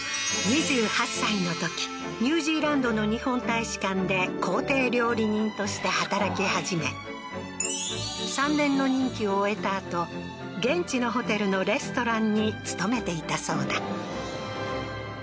２８歳のときニュージーランドの日本大使館で公邸料理人として働き始め３年の任期を終えたあと現地のホテルのレストランに勤めていたそうだ